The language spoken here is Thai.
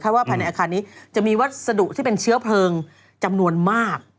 ว่าภายในอาคารนี้จะมีวัสดุที่เป็นเชื้อเพลิงจำนวนมาก